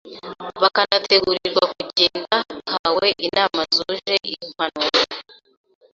bakanategurirwa kugenda bahawe inama zuje impanuro